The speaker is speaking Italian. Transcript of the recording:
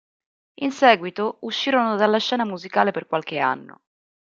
In seguito uscirono dalla scena musicale per qualche anno.